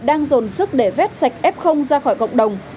đang dồn sức để vết sạch f ra khỏi cộng đồng